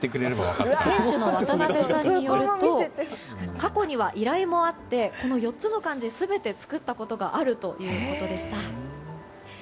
店主の方によると過去には依頼もあってこの４つの漢字全て作ったことがあるということでした。